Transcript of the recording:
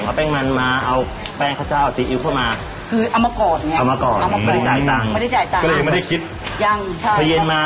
ใช่แต่แม่จะไม่รู้ความคาดทุนหรือยังไง